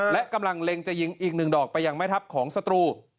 และกำลังเล็งจะยิงอีกหนึ่งดอกไปยังแม่ทัพของศัตรู